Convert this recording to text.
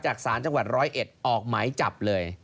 จากศาลจังหวัดร้อยเอ็ดออกหมายจับเลย